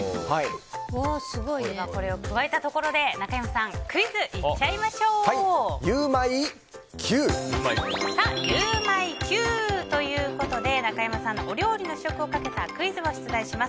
これを加えたところで中山さんゆウマいＱ！ゆウマいＱということで中山さんのお料理の試食をかけたクイズを出題します。